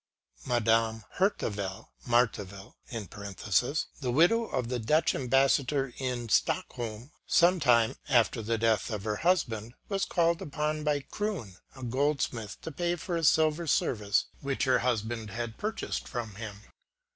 " Madame Herteville (Marteville), the widow of the Dutch Ambassador in Stockholm, some time after the death of her husband, was called upon by Croon, a goldsmith, to pay for a silver service which her husband had purchased from him.